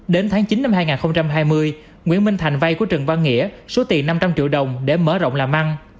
đến tháng chín năm hai nghìn hai mươi nguyễn minh thành vay của trần văn nghĩa số tiền năm trăm linh triệu đồng để mở rộng làm ăn